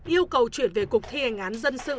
yêu cầu chuyển về cục thi hành án dân sự